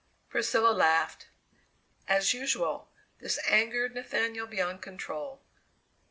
Priscilla laughed. As usual, this angered Nathaniel beyond control.